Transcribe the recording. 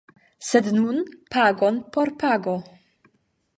Sed nun pagon por pago.